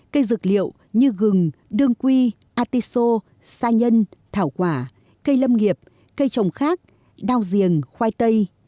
cây dược liệu như gừng đương quy atiso sa nhân thảo quả cây lâm nghiệp cây trồng khác đao giềng khoai tây